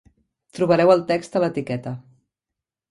Trobareu el text a l'etiqueta.